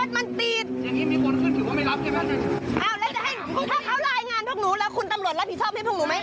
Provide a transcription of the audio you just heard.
มันักดิ์นอกไปไม่รู้มันไม่ได้นอกไปมันติด